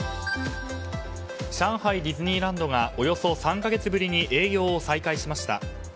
上海ディズニーランドがおよそ３か月ぶりに営業を再開しました。